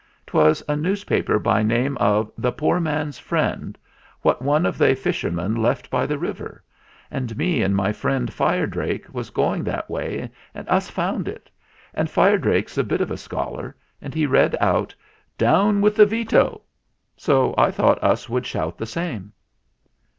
" 'Twas a newspaper by name of 'The Poor Man's Friend/ what one of they fisher men left by the river; and me and my friend Fire Drake was going that way and us found it; and Fire Drake's a bit of a scholar, and he read out 'Down with the Veto' So I thought us would shout the same."